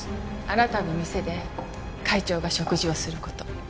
あなたの店で会長が食事をする事。